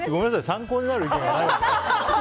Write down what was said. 参考になる意見がない。